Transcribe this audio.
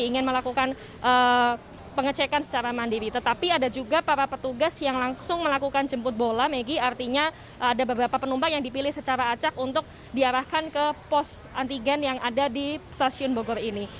jadi mereka tidak melakukan pengecekan secara mandiri tetapi ada juga para petugas yang langsung melakukan jemput bola megi artinya ada beberapa penumpang yang dipilih secara acak untuk diarahkan ke pos antigen yang ada di stasiun bogor ini